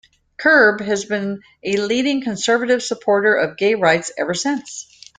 Curb has been a leading conservative supporter of gay rights ever since.